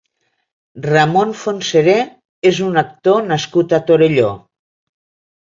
Ramon Fontserè és un actor nascut a Torelló.